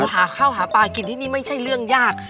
หาข้าวหาปลากินที่นี่ไม่ใช่เรื่องยาก